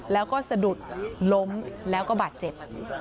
แล้วก็สะดุดล้มแล้วก็บาดเจ็บ